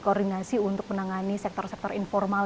koordinasi untuk menangani sektor sektor informal